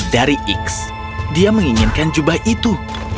dari x dia menginginkan jubah itu